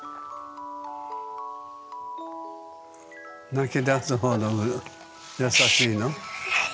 泣きだすほど優しいの？